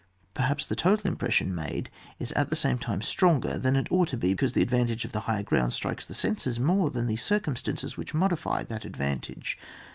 Perhaps the total impression made is at the same time stronger than it ought to be, because the advantage of the high er ground strikes the senses more than the circumstances which modify that ad vantage.